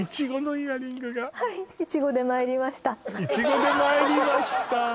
イチゴでまいりました